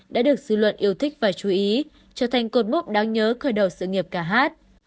đã được dư luận yêu thích và chú ý trở thành cột mốc đáng nhớ khởi đầu sự nghiệp cả hát